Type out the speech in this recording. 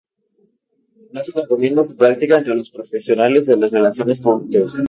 No se recomienda su práctica entre los profesionales de las relaciones públicas.